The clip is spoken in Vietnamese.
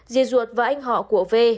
dì ruột và anh họ của vê